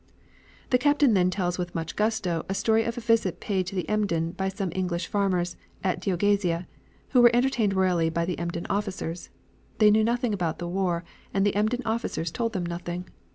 The captain then tells with much gusto a story of a visit paid to the Emden by some English farmers, at Deogazia, who were entertained royally by the Emden officers. They knew nothing about the war, and the Emden officers told them nothing.